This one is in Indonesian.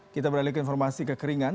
kita beralih ke informasi kekeringan